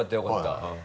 はい。